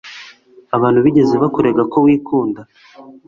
Abantu bigeze bakurega ko wikunda?